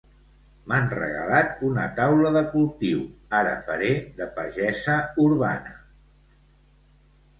M'han regalat una taula de cultiu, ara faré de pagesa urbana